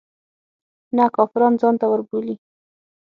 نه کافران ځانته وربولي.